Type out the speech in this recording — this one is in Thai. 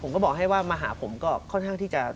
บอกให้ว่ามาหาผมก็ค่อนข้างที่จะ